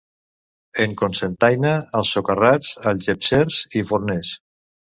En Cocentaina, els socarrats, algepsers i forners.